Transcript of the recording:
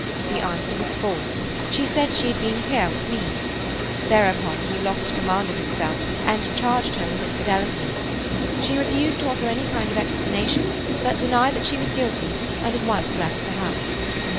The answer was false; she said she had been here, with me. Thereupon he lost command of himself, and charged her with infidelity. She refused to offer any kind of explanation, but denied that she was guilty and at once left the house.